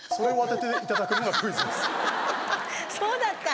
そうだった！